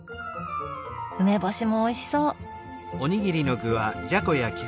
梅干しもおいしそう。